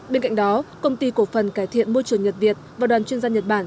bên cạnh đó công ty cổ phần cải thiện môi trường nhật việt và đoàn chuyên gia nhật bản